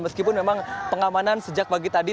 meskipun memang pengamanan sejak pagi tadi